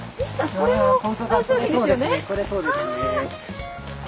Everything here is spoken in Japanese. これそうですね。